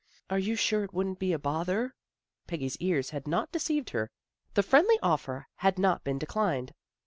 "" Are you sure it wouldn't be a bother? " Peggy's ears had. not deceived her. The friendly offer had not been declined.